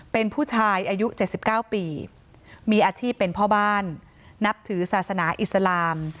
เป็นผู้ชายอายุ๗๙ปีมีอาชีพเป็นพ่อบ้านนับถือศาสนาอิสลาม